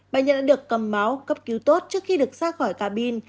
bệnh nhân đã được cầm máu cấp cứu tốt trước khi được sát khỏi cabin